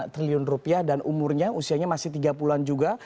delapan triliun rupiah dan umurnya usianya masih tiga puluh an juga